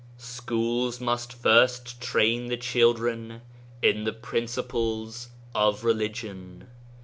Schools must first train the children in the principles of religion